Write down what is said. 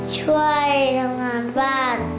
ช่วยทำงานบ้าน